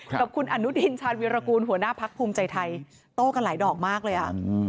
กับคุณอนุทินชาญวิรากูลหัวหน้าพักภูมิใจไทยโต้กันหลายดอกมากเลย